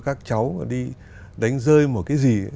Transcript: các cháu đi đánh rơi một cái gì